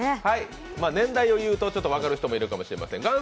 年代を言うと分かる人もいるかもしれません。